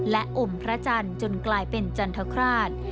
และอมพระจันทร์จนกลายเป็นจันทคราช